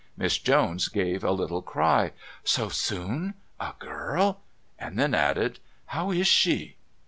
Miss Jones gave a little cry: "So soon?... A girl...." And then added: "How is she?"